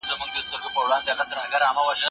ولي هوډمن سړی د لوستي کس په پرتله ژر بریالی کېږي؟